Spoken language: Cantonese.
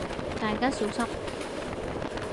大家小心